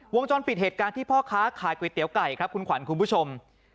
วงจรปิดเหตุการณ์ที่พ่อค้าขายก๋วยเตี๋ยวไก่ครับคุณขวัญคุณผู้ชม